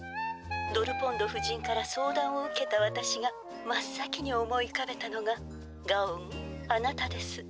ドルポンド夫人から相談を受けたわたしが真っ先に思いうかべたのがガオンあなたです。